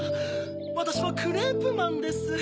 わたしはクレープマンです。